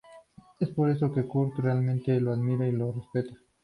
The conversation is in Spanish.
Es por eso que Kurt realmente lo admira y lo respeta.